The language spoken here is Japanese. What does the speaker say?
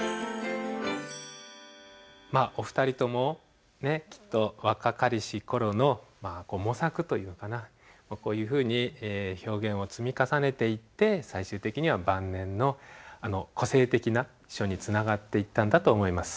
まあお二人ともねきっと若かりし頃のまあ模索というかなこういうふうに表現を積み重ねていって最終的には晩年のあの個性的な書につながっていったんだと思います。